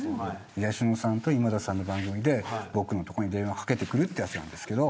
東野さんと今田さんの番組で僕のところに電話を掛けてくるというやつなんですけど。